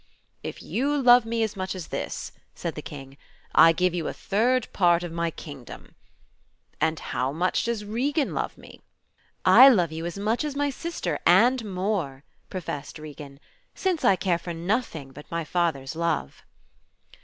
"If you love me as much as this,'' said the King, "I give you a third part of my kingdom. And how much does Regan love me?" "I love you as much as my sister and more," professed Regan, "since I care for nothing but my father's love."